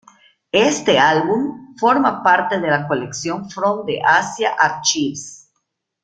Este álbum forma parte de la colección "From the Asia Archives".